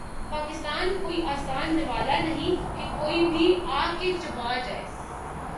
پاکستان کوئی آسان نوالہ نہیں کہ کوئی بھی آ کے چبا جائے۔